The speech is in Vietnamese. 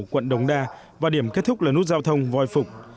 quận đống đa và điểm kết thúc là nút giao thông voi phục